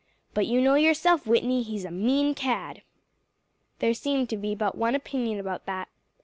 But you know yourself, Whitney, he's a mean cad." There seemed to be but one opinion about that.